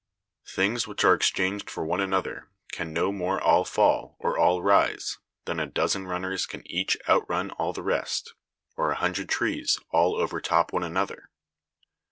Things which are exchanged for one another can no more all fall, or all rise, than a dozen runners can each outrun all the rest, or a hundred trees all overtop one another.